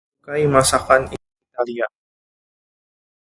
Aku sangat menyukai masakan Italia.